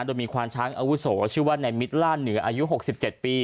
โดยมีควารช้างอาวุโสชื่อว่าในมิตรร่านเหนืออายุหกสิบเจ็ดปี